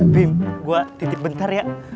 bim gue titip bentar ya